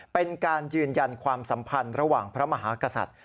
เป็นการยืนยันความสัมพันธ์ระหว่างพระมหากษัตริย์